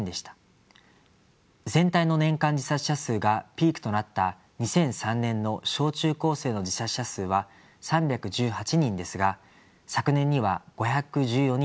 全体の年間自殺者数がピークとなった２００３年の小・中・高生の自殺者数は３１８人ですが昨年には５１４人と過去最多を記録しています。